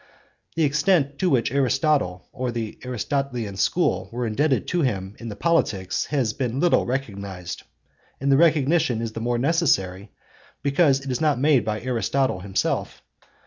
The extent to which Aristotle or the Aristotelian school were indebted to him in the Politics has been little recognised, and the recognition is the more necessary because it is not made by Aristotle himself.